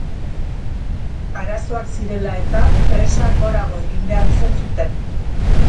Arazoak zirela eta, presa gorago egin behar izan zuten.